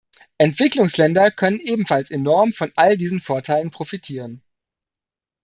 Entwicklungsländer könnten ebenfalls enorm von all diesen Vorteilen profitieren.